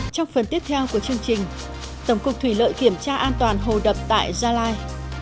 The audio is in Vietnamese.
trong phần tiếp theo của chương trình tổng cục thủy lợi kiểm tra an toàn hồ đập tại gia lai